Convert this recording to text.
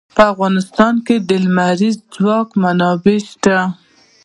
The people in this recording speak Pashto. په افغانستان کې د لمریز ځواک منابع شته.